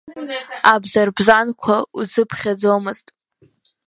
Абзарбзанқәа узыԥхьаӡомызт.